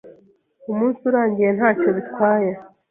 Umunsi urangiye, ntacyo bitwaye.